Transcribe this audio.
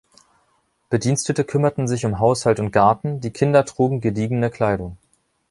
Bedienstete kümmerten sich um Haushalt und Garten, die Kinder trugen gediegene Kleidung.